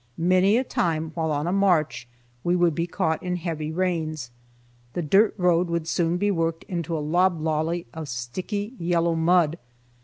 Many a time while on a march we would be caught in heavy rains. The dirt road would soon be worked into a loblolly of sticky yellow mud.